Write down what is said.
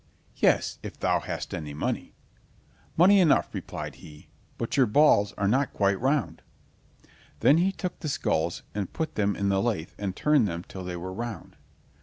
"Yes, if thou hast any money." "Money enough," replied he, "but your balls are not quite round." Then he took the skulls and put them in the lathe and turned them till they were round.